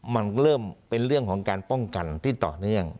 มันเริ่มเป็นเรื่องของการป้องกันที่ต่อเนื่อง